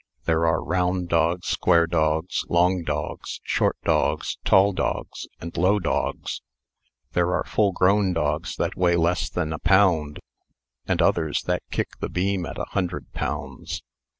There are round dogs, square dogs, long dogs, short dogs, tall dogs, and low dogs. There are full grown dogs that weigh less than a pound, and others that kick the beam at a hundred pounds.